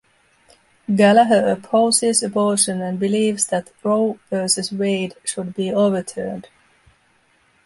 Gallagher opposes abortion and believes that "Roe versus Wade" should be overturned.